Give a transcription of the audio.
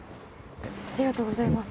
ありがとうございます。